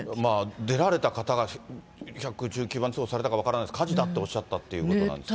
出られた方が１１９番通報されたか分からないですが、火事だっておっしゃったってことなんですね。